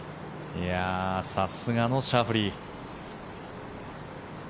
さすがのシャフリー。